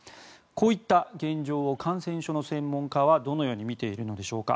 こういった現状を感染症の専門家はどのように見ているのでしょうか。